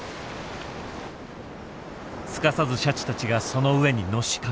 すかさずシャチたちがその上にのしかかる。